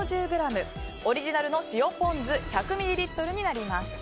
オリジナルの塩ポン酢１００ミリリットルになります。